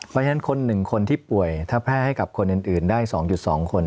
เพราะฉะนั้นคนหนึ่งคนที่ป่วยถ้าแพร่ให้กับคนอื่นได้๒๒คน